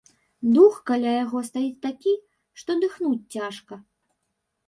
Дух каля яго стаіць такі, што дыхнуць цяжка.